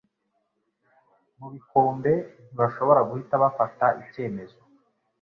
mu bikombe, ntibashobora guhita bafata icyemezo